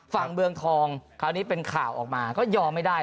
เมืองทองคราวนี้เป็นข่าวออกมาก็ยอมไม่ได้